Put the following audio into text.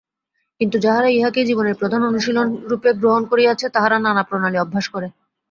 কিন্তু যাহারা ইহাকেই জীবনের প্রধান অনুশীলনরূপে গ্রহণ করিয়াছে, তাহারা নানা প্রণালী অভ্যাস করে।